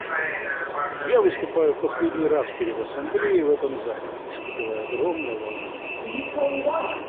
Я выступаю в последний раз перед Ассамблеей в этом зале, испытывая огромное волнение.